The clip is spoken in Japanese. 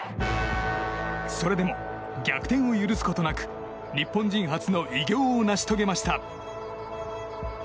それでも逆転を許すことなく日本人初の偉業を成し遂げました。